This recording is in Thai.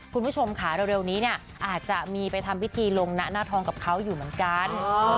คุณผู้ชมค่ะเร็วนี้เนี่ยอาจจะมีไปทำพิธีลงนะหน้าทองกับเขาอยู่เหมือนกัน